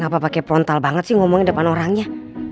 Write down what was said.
gapapa kayak frontal banget sih ngomongin depan orangnya